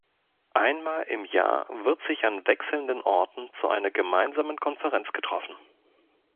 Einmal im Jahr wird sich an wechselnden Orten zu einer gemeinsamen Konferenz getroffen.